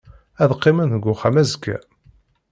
Ad qqimen deg uxxam azekka.